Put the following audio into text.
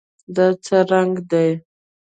دا څه رنګ دی؟